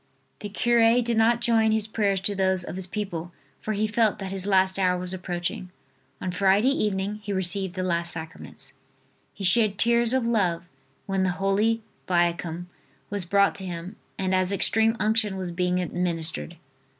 The cure did not join his prayers to those of his people for he felt that his last hour was approaching. On Friday evening he received the last sacraments. He shed tears of love when the Holy Viaticum was brought to him and as Extreme Unction was being administered.